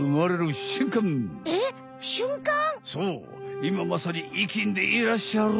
いままさにいきんでいらっしゃる。